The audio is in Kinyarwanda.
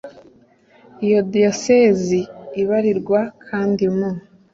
Iyo diyosezi ibarirwa kandi mu